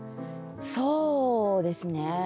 そうですね。